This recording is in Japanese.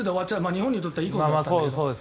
日本にとってはいいことだけど。